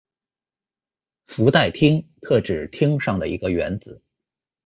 氟代烃，特指烃上的一个原子。